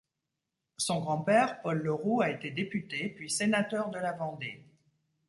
Son grand-père, Paul Le Roux, a été député puis sénateur de la Vendée.